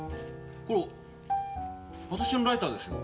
これ私のライターですよ。